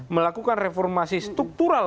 melakukan reformasi struktural